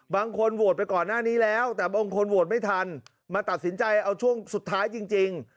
โหวตไปก่อนหน้านี้แล้วแต่บางคนโหวตไม่ทันมาตัดสินใจเอาช่วงสุดท้ายจริง